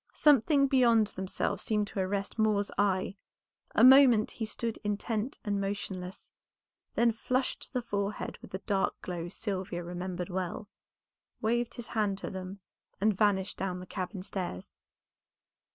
Something beyond themselves seemed to arrest Moor's eye; a moment he stood intent and motionless, then flushed to the forehead with the dark glow Sylvia remembered well, waved his hand to them and vanished down the cabin stairs.